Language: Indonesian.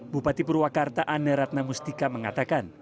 bupati purwakarta ane ratnamustika mengatakan